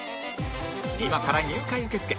今から入会受け付け